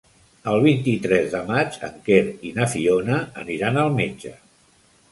El vint-i-tres de maig en Quer i na Fiona aniran al metge.